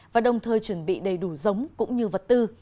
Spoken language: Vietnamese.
và đồng thời chuẩn bị đầy đủ giống cũng như vật tư